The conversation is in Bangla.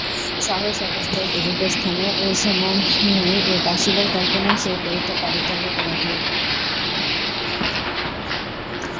সহজ অবস্থায় এরূপ স্থানে এ-সময় এক আসিবার কল্পনাই সে করিতে পারিত না কোনদিনও।